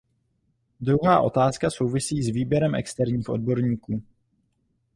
Druhá otázka souvisí s výběrem externích odborníků.